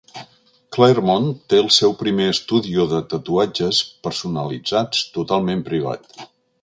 Claremont té el seu primer estudio de tatuatges personalitzats totalment privat.